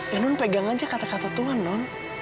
ya non pegang aja kata kata tuhan non